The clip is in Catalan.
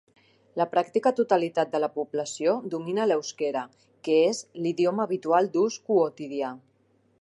La pràctica totalitat de la població domina l'euskera, que és l'idioma habitual d'ús quotidià.